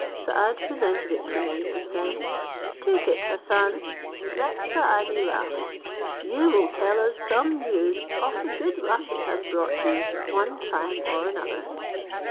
Saad presented it to me, and said, "Take it, Hassan; let Saadi laugh, you will tell us some news of the good luck it has brought you one time or another."